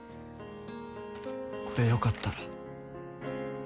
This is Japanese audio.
これよかったら。